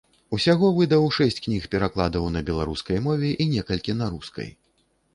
Усяго выдаў шэсць кніг перакладаў на беларускай мове і некалькі на рускай.